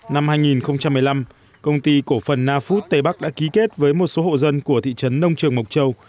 năm hai nghìn một mươi năm công ty cổ phần nafood tây bắc đã ký kết với một số hộ dân của thị trấn nông trường mộc châu